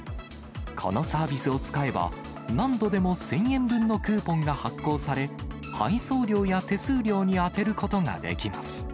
このサービスを使えば、何度でも１０００円分のクーポンが発行され、配送料や手数料に充てることができます。